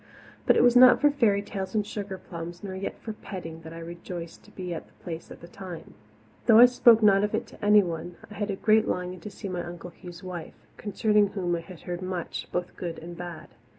But it was not for fairy tales and sugarplums nor yet for petting that I rejoiced to be at the Place at that time. Though I spoke not of it to anyone, I had a great longing to see my Uncle Hugh's wife, concerning whom I had heard much, both good and bad.